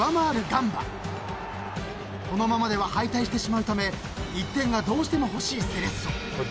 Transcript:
［このままでは敗退してしまうため１点がどうしても欲しいセレッソ］